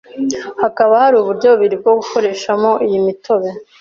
Hakaba hari uburyo bubiri bwo gukoreshamo iyi mitobe.